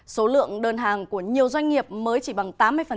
số lượng đơn hàng của nhiều doanh nghiệp mới chỉ bằng tám mươi